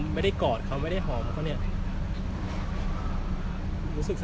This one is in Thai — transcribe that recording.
ไม่ใช่นี่คือบ้านของคนที่เคยดื่มอยู่หรือเปล่า